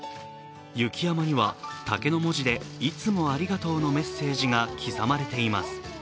雪山には竹の文字で「いつもありがとう」のメッセージが刻まれています。